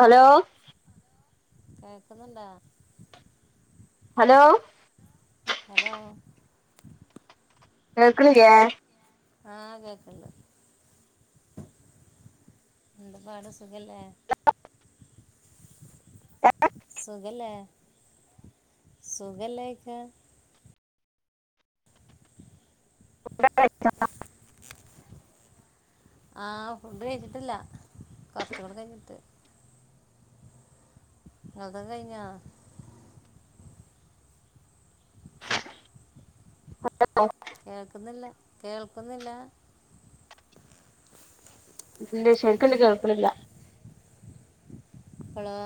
Hello കേക്കുന്നുണ്ടോ hello hello കേൾക്നില്ലെ ആഹ് കേക്ണ്ട് എന്തപാട് സുഖല്ലേ [inaudible] [inaudible] സുഖലേ സുഖല്ലേ ഓയ്ക്ക [unintelligible] ആഹ് ഫുഡ് കഴിച്ചിട്ടില്ല കൊർച് കൂടെ കഴിഞ്ഞിട്ട് ഇങ്ങൾത് കയിഞ്ഞോ [unintelligible] കേക്കുന്നില്ല കേൾക്കുന്നില്ല ഇല്ലെ ശരിക്കാണ്ട് കേൾക്ണില്ല പളോ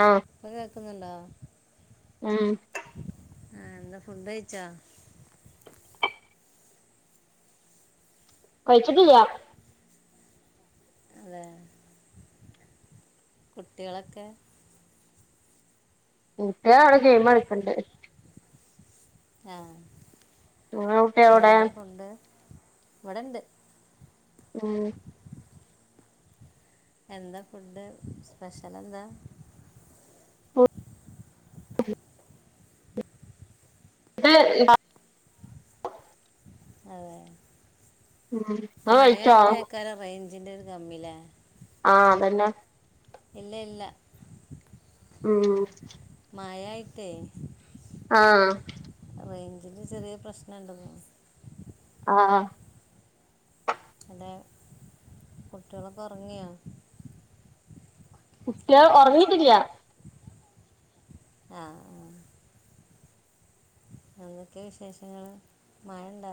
ആഹ് ഇപ്പൊ കേക്കുന്നുണ്ടോ ഉം ആഹ് എന്താ ഫുഡഴിച്ചോ കഴിച്ചിട്ടില്ല അതെ കുട്ട്യേളൊക്കെ കുട്ട്യേള് അവിടെ ഗെയിം കളിച്ച്ണ്ട് ആഹ് നിങ്ങളെ കുട്ടികളെവിടെ എന്താ ഫുഡ് ഇവിടെണ്ട് ഉം എന്താ ഫുഡ് സ്പെഷ്യൽ എന്താ [unintelligible] [unintelligible] അതെ ഉം ഇങ്ങള് കഴിച്ചോ മഴായിട്ടെയ്കാരം റെയ്ഞ്ചിന്റെ ഒരു കമ്മിലേ ആഹ് അതന്നെ ഇല്ല ഇല്ല ഉം മഴായിട്ടെ ആഹ് റെയിഞ്ചിന്റെ ചെറിയ പ്രശ്നണ്ട് ഇന്ന് ആഹ് എടെ കുട്ടികളൊക്കെ ഉറങ്ങിയോ കുട്ടിയാൾ ഉറങ്ങിട്ടില്ല ആ ആ എന്തൊക്കെ വിശേഷങ്ങള് മഴ ഉണ്ടോ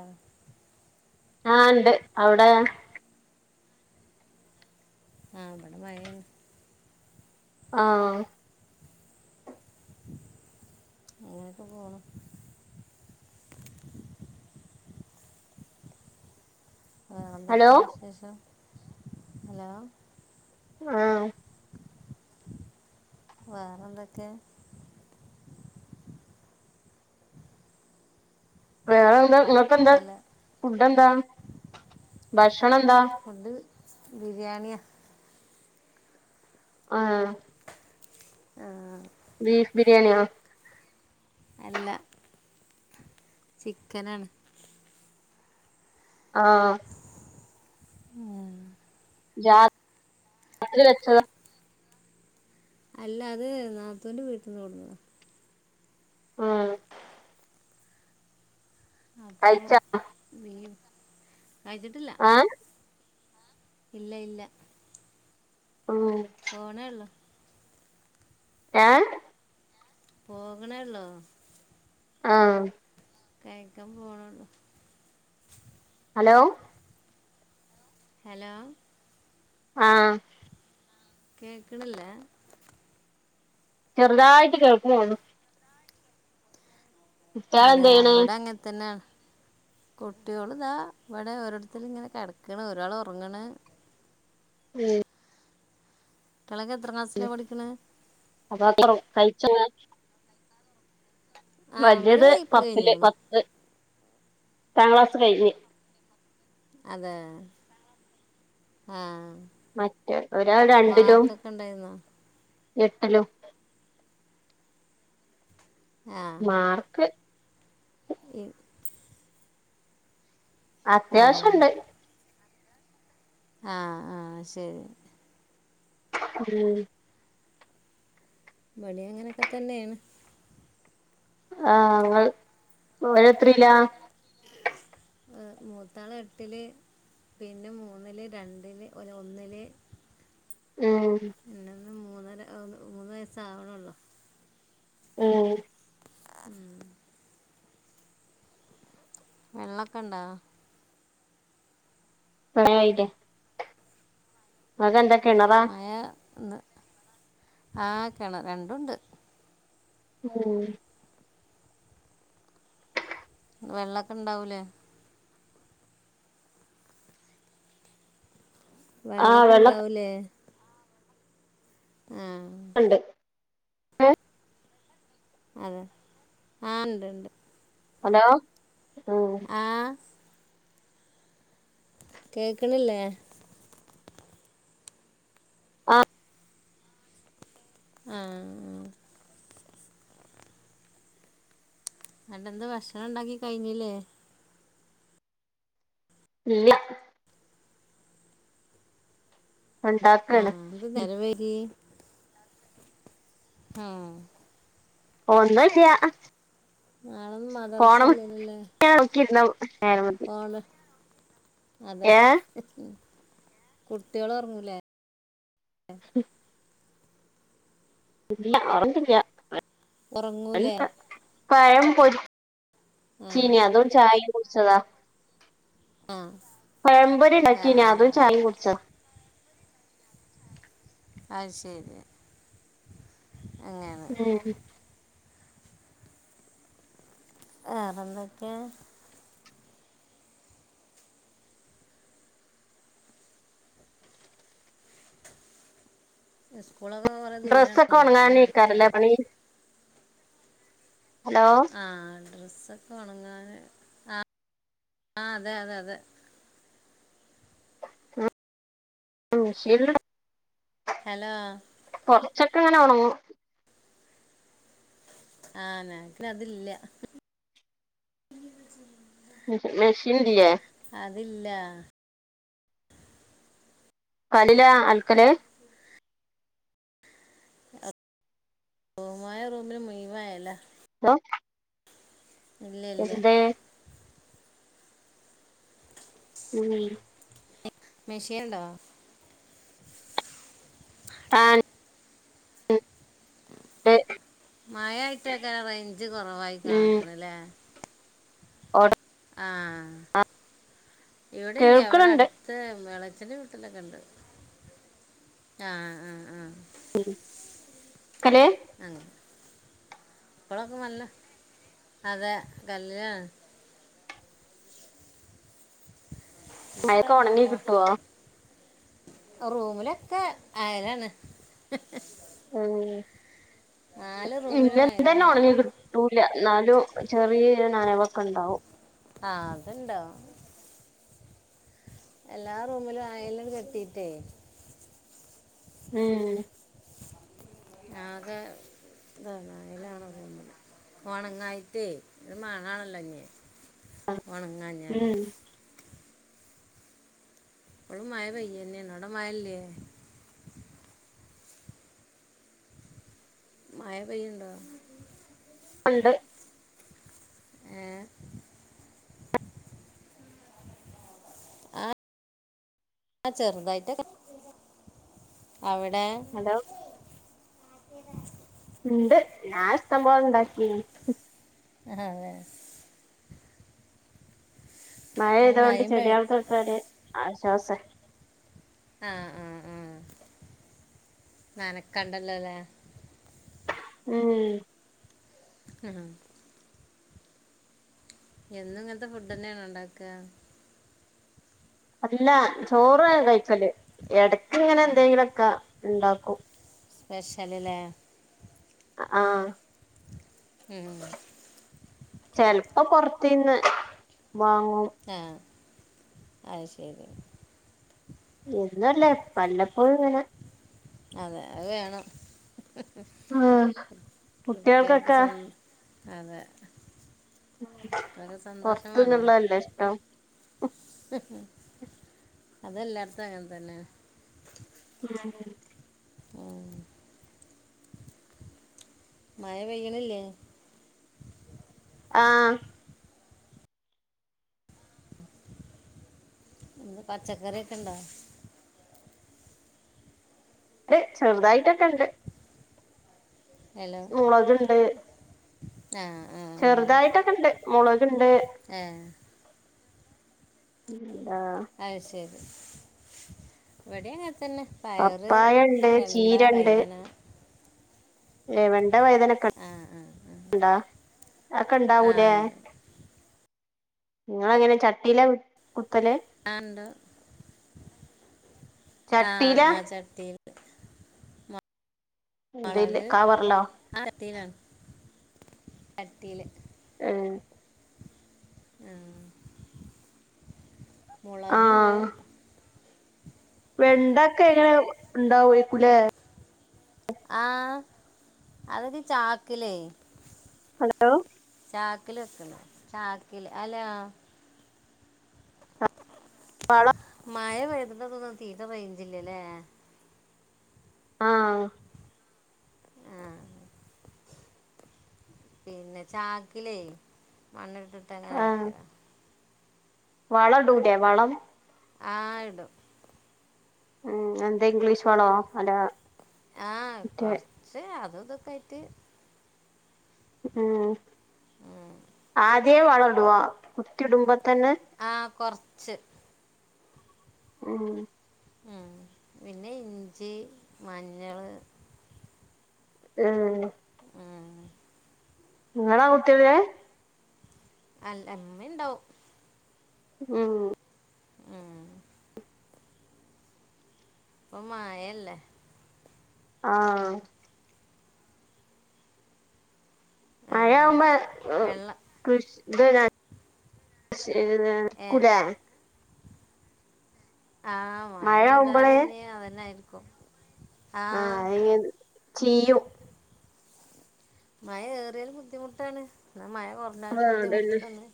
ആഹ് ഇണ്ട് അവിടെ ആഹ് ഇവടെ മഴേണ് ആഹ് ഇങ്ങനെയെക്കെ പോണു വേറെ ഹലോ എന്തൊക്കെ വിശേഷം ഹലോ ആഹ് വേറെ എന്തൊക്കെ വേറെ എന്താ ഇങ്ങക്ക് എന്താ അല്ല ഫുഡ്ഡ് എന്താ ബക്ഷണം എന്താ ഫുഡ് ബിരിയാണിയാ ആഹ് ആ, ബീഫ് ബിരിയാണിയോ അല്ല ചിക്കനാണ് ആഹ് ഉം രാത്രില് വച്ചെതാ അല്ല അത് നാത്തൂൻ്റെ വീട്ടിന്ന് കൊട്ന്നതാ ആഹ് അപ്പോ കഴിച്ചാ ബീഫ് കഴിച്ചിട്ടില്ല ഏഹ് ഇല്ല ഇല്ല ആഹ് പോണേ ഒള്ളൂ ഏഹ് പോകണേ ള്ളൂ ആഹ് കഴിക്കാൻ പോവണള്ളൂ ഹലോ ഹലോ ആഹ് കേക്ക്ണ്ല്ലേ ചെറുതായിട്ട് കേൾക്ക്ണൊള്ളൂ കുട്ടികൾ ഹതെ എന്ത് ചെയ്യണ് ബടെ അങ്ങൻ തന്നെ. കുട്ടിയോള് താ വടെ ഓരോര്ത്തരി ങ്ങനെ കെടക്ക്ണ് ഒരാള് ഒർങ്ങ്ണ്. ഉം കുട്ടികൾ ഒക്കെ എത്രാം ക്ലാസ്സ്ലാ പഠിക്ക്ണ്. അതാ ത്രാണോ കഴിച്ചങ് ആ അവർ വല്ലിയത് വായ്പ പത്തില് കഴിഞ്ഞിരിക്കണ് പത്ത് ത്താം ക്ലാസ് കഴിഞ്ഞ്. അതെ ആഹ് മറ്റേ ഒരാൾ രണ്ട്ലും ഉണ്ടായിരുന്നോ എട്ട്ലും. ആഹ് മാർക്ക് ഈ ആ അത്യാവശ്യംണ്ട്. ആഹ് ആഹ് ശരി. ഉം വ്ടീം അങ്ങനെക്കെ തന്നെണ്. ആഹ് ങ്ങൾ ഓലെ എത്രെലാ. ഏഹ് മൂത്താള് എട്ട്ല് പിന്നെ മൂന്ന്ല്, രണ്ട്ല്, ഒരാന്നില്. ഉം പിന്നെന്ന് മൂന്നര മൂന്ന് വയസ്സാവ്ണ്ള്ളൂ. ഉം [inaudible] വെള്ളൊക്കെണ്ടോ. മഴആയയിലൊ ഇങ്ങക്ക്ന്താ കിണറോ? മാഴ ഇന്ന് ആഹ് കിണറ രണ്ടുംണ്ട്. ഉം വെള്ളൊക്കെ ഇണ്ടാവൂലേ? ആഹ് വെള്ളക്കെ വെള്ളൊക്കെ ഇണ്ടാവൂലേ? ആഹ് ഉണ്ട് അതെ ആഹ് ഉണ്ട് ഉണ്ട്. ഹലോ? ഉം ആ കേക്ക്ണില്ലേ? ആഹ് ആഹ്ഹ്ഹ് രണ്ടന്ത് ഭക്ഷണം ഉണ്ടാക്കി കഴിഞ്ഞില്ലേ? ഇല്ല. ഉണ്ടാക്കാണ് ആഹ് എന്ത്‌ നേരം വെയ്കി ആഹ് ഒന്നുല്ല. നളെന്നും പോണം മദ്രയില്ലല്ലേ? [unintelligible] ആണ് അതെ ഏ കുട്ടിള് ഉറങ്ങൂലേ? ഉം [inaudible] വേറെത്തുല്ല ഉറങ്ങൂലേ പഴം പൊരി ആ ചീനി അതും ചായ കുടിച്ചതാ ആ പഴമ്പോരി ആ ഉണ്ടാക്കിനി ആ അതും ചായും കുടിച്ചത അത് ശരി അങ്ങനെ ഉം ആഹ് വേറെന്തൊക്കെ സ്കൂളൊക്കെ കുറെ ഡ്രസ്സൊക്കെ ദൂരാണോ അതാ അട്ത്താ ഉണങ്ങാനിരിക്കാറില്ലേ പണി ഹലോ ആഹ് ഡ്രസ്സൊക്കെ ഉണങ്ങാന് ആഹ് ആഹ് അതെ അതെ അതെ ഉം മിഷീണിട ഹലോ കൊറച്ചൊക്കെങ്ങനെ ഉണങ്ങും ആഹ് നക്ക് അതില്ല മെഷീണ്ടില്ലേ അതില്ല കല്ലില ആൽക്കലേ [inaudible] റൂമായ റൂമിന് മുഴുവായല ഹലോ ഇല്ലല്ല ഉം മെഷീണ്ടോ? ആഹ് ഉണ്ട് മഴയിട്ടൊക്കെ റേഞ്ച് കുറവായി കാണിക്കണല്ലേ ഓടാ ആഹ് ഇവിടെല്ലവിടെ കേൾക്കണുണ്ട് അടു ത്ത് എളച്ചന്റെ വീട്ടിലൊക്കെണ്ട് ആഹ് ആഹ് ആഹ് ഹലേ ഇപ്പളൊക്കെ നല്ല അതെ കല്ലാണ് മയത്ത് ഒണങ്ങി കിട്ടോ? ഓ റൂമിലൊക്കെ ആയലാണ് ഉം നാല് റൂമിലും ഇന്റതഎന്നെ ആയതാണ് ഒണങ്ങി ട്ടുലഎന്നാലും ചെറിയ നനവൊക്ക ഇണ്ടാവും ആഹ് അത്ണ്ടാകും എല്ലാ റൂമിലും അയലും കെട്ടീട്ടേ ഉം ആകെ [unintelligible] ഒണങ്ങായിട്ടേ ഒരു മണാണല്ലോ ഞ്ഞ് ഒണങ്ങാ ഉം ഇപ്പളും മഴ പെയ്യന്നാണ് അവടെ മയ ഇല്യേ മയ പയ്യ്ണ്ടോ ഉണ്ട് ഏഹ് ആഹ് ചെറുതായിട്ട് അവടെ ഹലോ [unintelligible] ഇണ്ട് ഞാൻ ഇഷ്ടം പോലെ ഇണ്ടാക്കി [unintelligible] ഇപ്പം മഴയ്തോണ്ട് മഴയും പെയ് ചെടികൾകൊക്കൊരു ഒരു ആശ്വാസായി ആഹ് ആഹ് ആഹ് നനക്കണ്ടല്ലോ ലേ ഉം ആഹ് എന്നും ഇങ്ങൻത്തെ ഫുഡ് എന്നെ ണ്ടോ ഇണ്ടാക്ക അല്ല ചോറ കഴിക്കല് ഇടക്ക് ഇങ്ങനെ ആ എന്തെങ്കിലൊക്കെ ഇണ്ടാക്കും പെശല് ലേ ആഹ് ഉം ചെലപ്പോ പൊറത്തിന്ന് വാങ്ങും ആഹ് അത് ശരി എന്നല്ല വല്ലപ്പോഴും ഇങ്ങനെ അതെ അത് വേണം ആഹ് കുട്ടികൾക്ക് കുട്ടികൾക്കൊക്കെ സ്വ അതെ കുട്ടിൾ ക്ക്സന്തോഷം വേണ്ടേ പൊറത്തുന്നുള്ളതല്ലേ ഇഷ്ടം അതെല്ലാർത്തും അങ്ങൻ തന്നെ ഉ ഉം മഴ പെയ്യണില്ലേ ആഹ് പച്ചക്കറിയൊക്കെ ഇണ്ടോ ഇണ്ട്ചെറുതായിട്ടൊക്കെ ഇണ്ട് ഹലോ മുളകുണ്ട് ആഹ് ആഹ് ചെറുതായിട്ടൊക്കെ ഇണ്ട് മുളക് ഇണ്ട് ഏഹ് എന്താ അത് ശരി ഇവടിംഅങ്ങൻ തന്നെ പയറ് പപ്പായ ഉണ്ട് വെണ്ട ചീര വഴ്തന ഏഹവെണ്ട വഴുദന ആ ആ ആ ഒക്കെണ്ടോഅതൊക്കെ ആ ഇണ്ടാവും ലേ ഉണ്ട് നിങ്ങൾ എങ്ങനെ ചട്ടില കുത്തല് ആഹ് ഉണ്ട് ആഹ് ചട്ടിയില ആ ചട്ടിയില് ഇതില് മൊളക് കവറിലോ ആ അട്ടിയിലാണ് ചട്ടില് ആഹ് ആ മുളക് ഉണ്ട് ആഹ് വെണ്ടൊക്കെ എങ്ങനെ ഉണ്ടാവുംക്കു ലെ ആഹ് അതൊക്കെചാക്കിലേ ഹലോ ചാക്കില് വെക്കുന്നു ചാക്കില് അല്ല മഴ മഴ പെയതിട്ടൊന്ന തീരെ റെയിഞ്ചില്ലേല്ലേ ആഹ് ആ പിന്നെ ചാക്കിലേ മണ്ണിട്ടിട്ട് അങ്ങനെ വെക്കല വളംടൂലെ വളം ആഹ് ഇടും ഉം എന്താ ഇംഗ്ലീഷ് വണോ അല്ല ആഹ് മറ്റേ കൊർച്ച് അതും ഇതൊക്കെ ആയിട്ട്. ഏഹ് ആദ്യേ വളടോ കുത്തി ഇടുമ്പ തന്നെ. ആഹ് കൊർച്ച്. ആഹ് ആഹ്. പിന്നെ ഇഞ്ചി, മഞ്ഞൾ, ഏഹ് ആഹ് ഇങ്ങളാ [unintelligible] അല്ല ഇമ്മിണ്ടാവും. ഉം ഏഹ് ഇപ്പം മയല്ലേ. ആഹ്. മയാവുമ്പ അങ്ങനൊക്കെ എഹ് വെള്ളം കൃഷ് ഇത് നൈ ഷ് ത് ഏ കുലെ. ആഹ് മഴ പെയ്താല് ഇഞ്ഞ് അതന്നായിരിക്കും. ആഹ് ന്നിത് ചീയും. മഴ ഏറ്യാല് ബുദ്ധിമുട്ടാണ്. ന്നാ മഴ കൊർ ണാലും ആഹ് അതന്നെ ബുദ്ധിമുട്ടാണ്.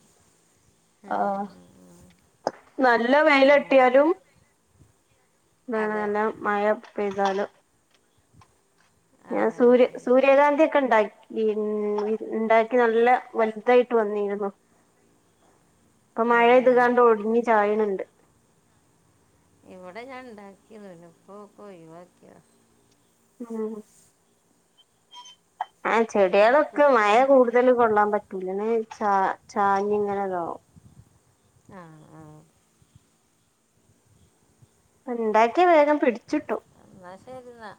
ആഹ്. ആഹ് നല്ല അങ്ങനെ വെയിലട്ട്യാലും എന്താണ് അതെ നല്ല മഴ പെയ്താലും ഞാൻ അതെ അത് സൂര്യ ശരി സൂര്യകാന്തി ഒക്കെണ്ടാകി ഇൺ ഇണ്ടാക്കി നല്ല വല്തായിട്ട് വന്നിരുന്നു. ഇപ്പൊ മഴ അതെ പെയ്തുകാണ്ട് ഒടിഞ്ഞ് ചായ്ണ് ണ്ട്. ഇവടെ ഞാൻ ഇണ്ടാക്കീന്നു. പിന്നെപ്പൊ ഒക്ക ഒഴിവാക്കിയതാ. ഉം ചെട്യേളൊക്കെ മഴ കുട്ടിയാ കൂടുതൽ കൊള്ളാൻ പറ്റൂല. ന്ന് ചാ ചാഞ്ഞ് ഇങ്ങനതാവും. ആഹ് ആഹ് ഇണ്ടാക്ക്യാ വേഗം പിടിച്ച് ട്ടും. എന്നാ ശരി ന്നാ.